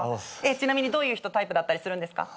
ちなみにどういう人タイプだったりするんですか？